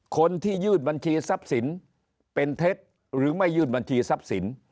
คนที่ยื่นบัญชีทรัพย์สินเป็นเท็จหรือไม่ยื่นบัญชีทรัพย์สิน